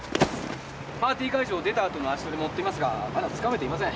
パーティー会場を出た後の足取りも追っていますがまだつかめていません。